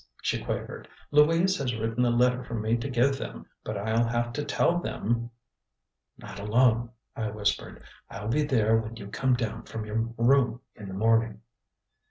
she quavered. "Louise has written a letter for me to give them, but I'll have to tell them " "Not alone," I whispered. "I'll be there when you come down from your room in the morning."